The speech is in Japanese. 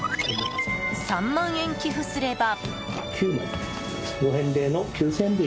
３万円寄付すれば。